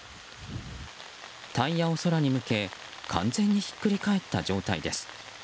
タイヤを空に向け完全にひっくり返った状態です。